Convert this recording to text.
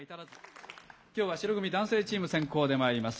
今日は白組男性チーム先攻でまいります。